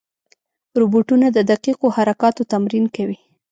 روبوټونه د دقیقو حرکاتو تمرین کوي.